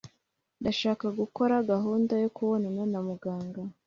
ndashaka gukora gahunda yo kubonana na muganga